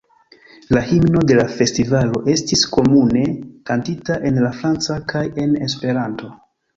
La himno de la festivalo estis komune kantita en la franca kaj en Esperanto.